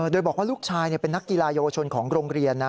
โดยบอกว่าลูกชายเป็นนักกีฬาเยาวชนของโรงเรียนนะ